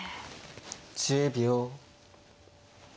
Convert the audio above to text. １０秒。